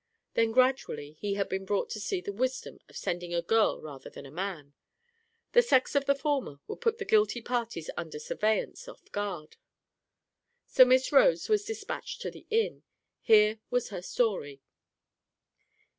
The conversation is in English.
Then gradually he had been brought to see the wisdom of sending a girl rather than a man. The sex of the former would put the guilty parties under surveillance off guard. So Miss Rhodes was despatched to the inn. Here was her story.